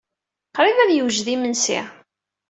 Qrib ad d-yewjed yimensi.